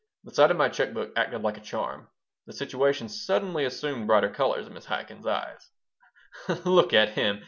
The sight of my check book acted like a charm. The situation suddenly assumed brighter colors in Mrs. Cbaikin's eyes "Look at him!